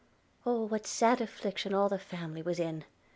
Oh! what sad affliction all the family was in!